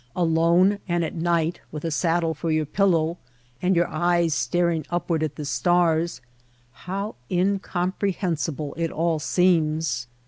alone and at night, with a saddle for your pil low, and your eyes staring upward at the stars, how incomprehensible it all seems